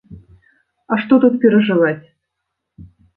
А што тут перажываць.